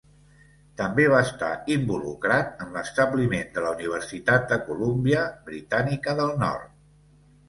També va estar involucrat en l'establiment de la Universitat de Colúmbia Britànica del Nord.